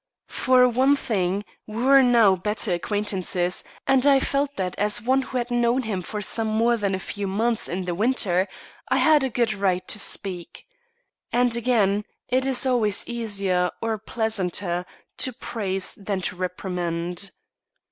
For one thing, we were now better acquaintances, and I felt that as one who had known him for more than a few months in the winter, I had a good right to speak. And, again, it is always easier or pleasanter to praise than to reprimand.